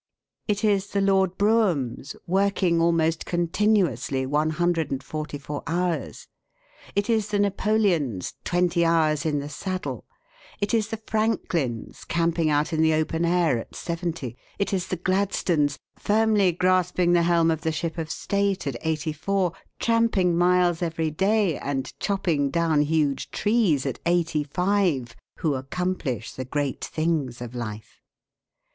It is the Lord Broughams, working almost continuously one hundred and forty four hours; it is the Napoleons, twenty hours in the saddle; it is the Franklins, camping out in the open air at seventy; it is the Gladstones, firmly grasping the helm of the ship of state at eighty four, tramping miles every day, and chopping down huge trees at eighty five, who accomplish the great things of life.